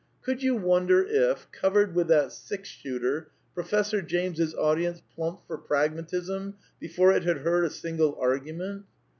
Could you wonder if, covered with that six shooter, Profes sor James's audience plumped for Pragmatism before it had heard a single argument